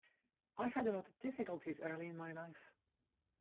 I had a lot of difficulties early in my life.